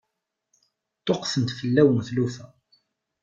Ṭṭuqqtent fell-awen tlufa.